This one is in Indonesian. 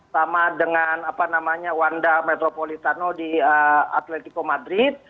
sama dengan apa namanya wanda metropolitano di atletico madrid